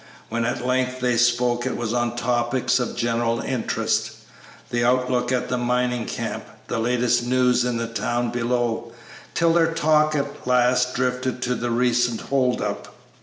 When at length they spoke it was on topics of general interest; the outlook at the mining camp, the latest news in the town below, till their talk at last drifted to the recent hold up.